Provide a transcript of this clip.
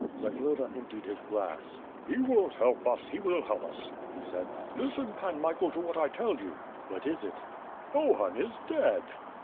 Zagloba emptied his glass. "He. will help us, He will help us," he said, "listen Pan Michael to what I tdl you." "What is it?" "Bohun is dead."